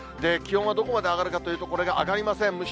気温はどこまで上がるかというと、これが上がりません。